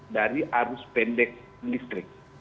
dari arus pendek listrik